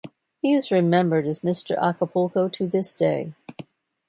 He is remembered as "Mr. Acapulco" to this day.